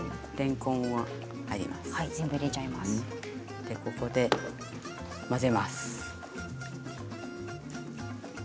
ここで混ぜます。